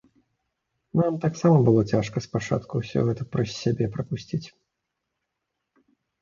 Нам таксама было цяжка спачатку ўсё гэта праз сябе прапусціць.